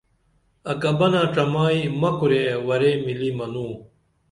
اکہ بنہ ڇمائی مہ کُرے ورے ملی منوں